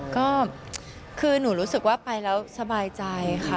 ก็คือหนูรู้สึกว่าไปแล้วสบายใจค่ะ